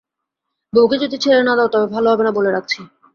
বউকে যদি ছেড়ে না দাও তবে ভালো হবে না, বলে রাখছি।